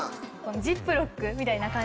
ジップロック？みたいな感じ。